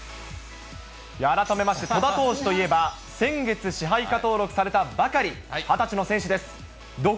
改めまして、戸田投手といえば、先月、支配下登録されたばかり、２０歳の選手です。